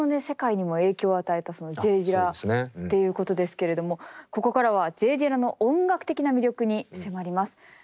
世界にも影響を与えたＪ・ディラっていうことですけれどもここからはＪ・ディラの音楽的な魅力に迫ります。